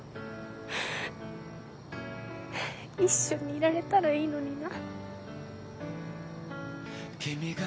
一緒にいられたらいいのにな。